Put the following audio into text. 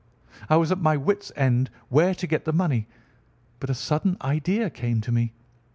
I was at my wit's end where to get the money, but a sudden idea came to me.